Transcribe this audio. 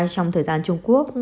trong thời gian trung quốc